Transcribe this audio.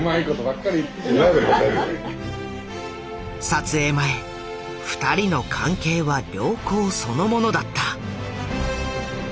撮影前二人の関係は良好そのものだった。